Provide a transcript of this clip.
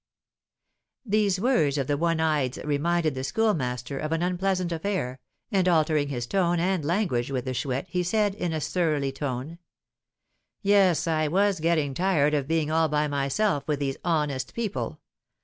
These words of the "one eyed's" reminded the Schoolmaster of an unpleasant affair, and, altering his tone and language with the Chouette, he said, in a surly tone: "Yes, I was getting tired of being all by myself with these honest people.